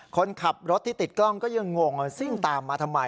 คนขับรถที่ติดกล้องก็ยังงงซิ่งตามมาทำไม